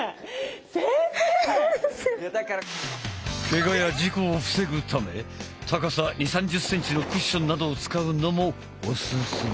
ケガや事故を防ぐため高さ２０３０センチのクッションなどを使うのもおすすめ。